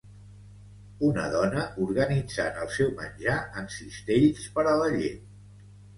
Una dona organitzant el seu menjar en cistells per a la llet.